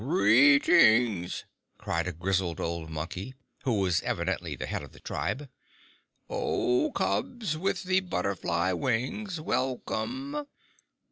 "Greeting!" cried a grizzled old Monkey, who was evidently the head of the tribe. "O cubs with the butterfly wings! Welcome!